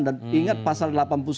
dan ingat pasal delapan puluh satu